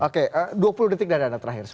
oke dua puluh detik dari anda terakhir